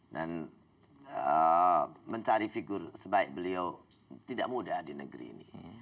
dan mencari figur sebaik beliau tidak mudah di negeri ini